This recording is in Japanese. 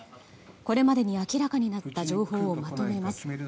これまでに明らかになった情報をまとめます。